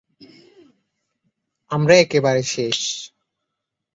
আমরা একেবারে শেষ।